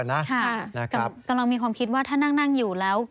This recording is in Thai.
ค่ะตอนนี้กำลังมีความคิดว่าถ้านั่งอยู่แล้ว